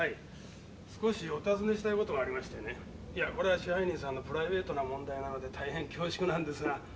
・少しお尋ねしたい事がありましてね。これは支配人さんのプライベートな問題なので大変恐縮なんですが。